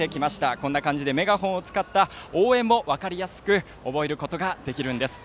こんな感じでメガホンを使った応援も分かりやすく覚えることができます。